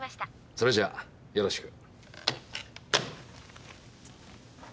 それじゃよろしく。